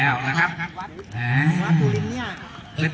เอาไปไหนแล้ว